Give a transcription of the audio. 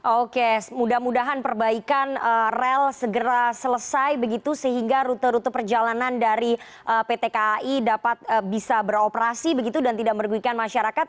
oke mudah mudahan perbaikan rel segera selesai begitu sehingga rute rute perjalanan dari pt kai dapat bisa beroperasi begitu dan tidak merugikan masyarakat